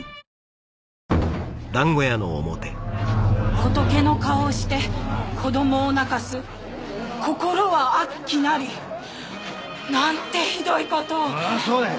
「仏の顔をして子供を泣かす心は悪鬼なり」なんてひどいことをあぁそうだよ